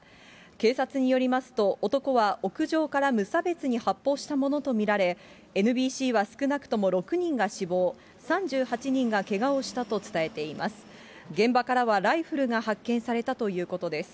警察によりますと、男は屋上から無差別に発砲したものと見られ、ＮＢＣは少なくとも６人が死亡、３８人がけがをしたと伝えています。